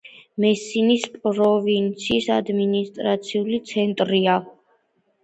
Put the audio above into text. მესინის პროვინციის ადმინისტრაციული ცენტრი.